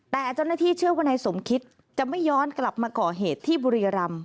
แต่เจ้าหน้าที่เชื่อว่านายสมคิดจะไม่ย้อนกลับมาก่อเหตุที่บุรีรำ